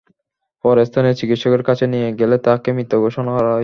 পরে স্থানীয় চিকিৎসকের কাছে নিয়ে গেলে তাঁকে মৃত ঘোষণা করা হয়।